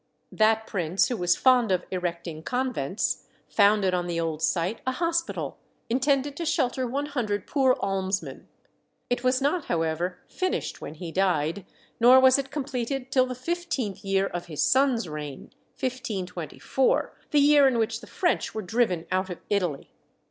That prince, who was fond of erecting convents, founded on the old site a hospital, intended to shelter one hundred poor almsmen. It was not, however, finished when he died, nor was it completed till the fifteenth year of his son's reign (1524), the year in which the French were driven out of Italy.